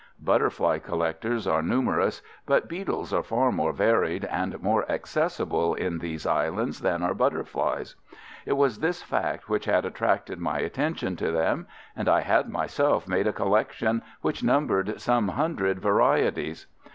Butterfly collectors are numerous, but beetles are far more varied, and more accessible in these islands than are butterflies. It was this fact which had attracted my attention to them, and I had myself made a collection which numbered some hundred varieties.